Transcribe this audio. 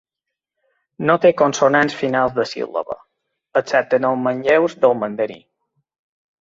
No té consonants finals de síl·laba, excepte en els manlleus del mandarí.